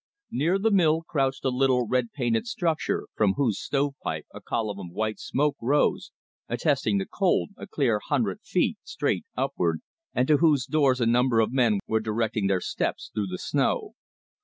Near the mill crouched a little red painted structure from whose stovepipe a column of white smoke rose, attesting the cold, a clear hundred feet straight upward, and to whose door a number of men were directing their steps through the snow.